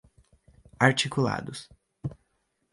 articulados